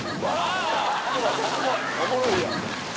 おもろいやん！